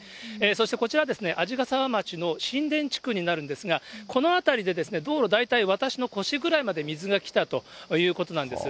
そしてこちら、鰺ヶ沢町のしんでん地区になるんですが、この辺りで道路、大体私の腰ぐらいまで水が来たということなんです。